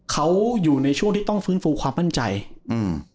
เขาอยู่ในช่วงที่ต้องฟื้นฟูความมั่นใจอืม